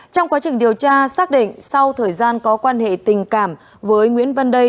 trong quá trình điều tra xác định sau thời gian có quan hệ tình cảm với nguyễn văn đây